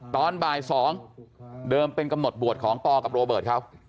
ตอนบ่าย๒เดิมเป็นกำหนดบวชของปอกับโรเบิร์ตเขา